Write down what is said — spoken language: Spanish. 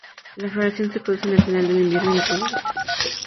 La floración se produce en el final del invierno y la primavera.